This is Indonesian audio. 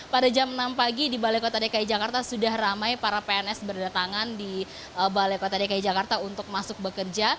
pada jam enam pagi di balai kota dki jakarta sudah ramai para pns berdatangan di balai kota dki jakarta untuk masuk bekerja